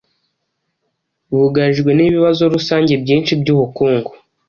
bugarijwe n'ibibazo rusange byinshi by'ubukungu,